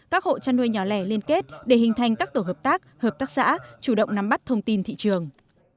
các hộ chăn nuôi nhỏ lẻ liên kết để hình thành các tổ hợp tác hợp tác xã chủ động nắm bắt thông tin thị trường